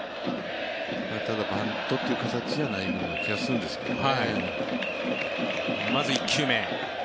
ただ、バントという形じゃないような気がするんですけどね。